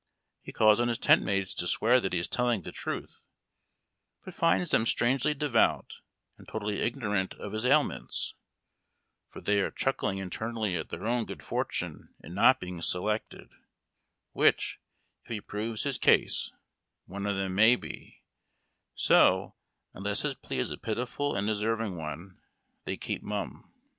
He calls on his tent mates to swear that he is telling the truth, but finds them strangely devout and totally ignorant of his ailments, for they are clnickling internally at their own good fortune in not being selected, which, if he proves his case, one of them mai/ be ; so, unless his plea is a pitiful and deserving one, they keep mum.